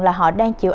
là họ đang chịu